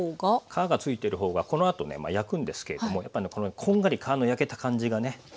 皮がついてるほうがこのあとね焼くんですけれどもやっぱこんがり皮の焼けた感じがね